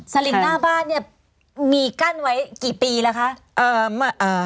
ลิงหน้าบ้านเนี่ยมีกั้นไว้กี่ปีแล้วคะ